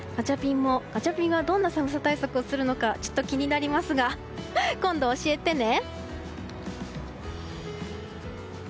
ガチャピンはどんな寒さ対策をするのかちょっと気になりますが今度教えてね！